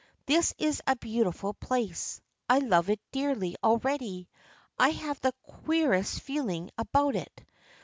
This is a beautiful place. I love it dearly already. I have the queerest feeling about it.